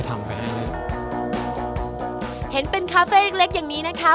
ทำแบบนี้เห็นเป็นคาเฟ่เล็กเล็กอย่างนี้นะคะ